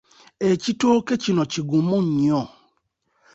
Ekitooke kino kigimu nnyo.